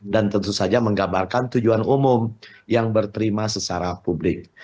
tentu saja menggambarkan tujuan umum yang berterima secara publik